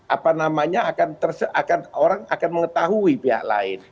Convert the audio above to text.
apa namanya akan orang akan mengetahui pihak lain